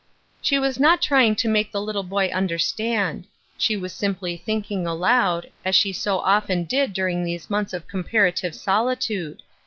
She was not trying to make the little boy under stand ; she was simply thinking aloud, as she so often did during these months of comparative soli tude.